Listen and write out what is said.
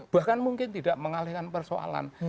bahkan mungkin tidak mengalihkan persoalan